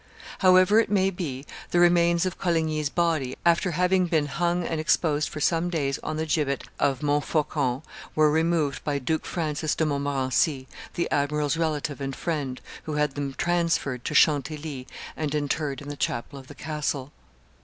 However it may be, the remains of Coligny's body, after having been hung and exposed for some days on the gibbet of Montfaucon, were removed by Duke Francis de Montmorency, the admiral's relative and friend, who had them transferred to Chantilly and interred in the chapel of the castle.